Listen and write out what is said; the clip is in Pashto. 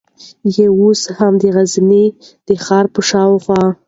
یې اوس هم د غزني د ښار په شاوخوا